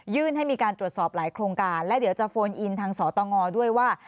ให้มีการตรวจสอบหลายโครงการและเดี๋ยวจะโฟนอินทางสตงด้วยว่า